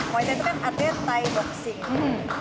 muay thai itu kan artinya thai boxing